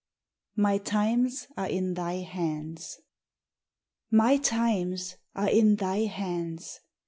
'MY TIMES ARE IN THY HANDS.' 'MY times are in Thy hands!